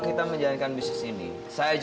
kejadian ini lagi